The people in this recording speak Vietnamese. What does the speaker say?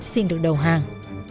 xin được đầu hàng